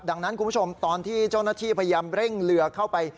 ดังนั้นคุณผู้ชมตอนที่เจ้าหน้าที่พยายามเร่งเรือเข้าไป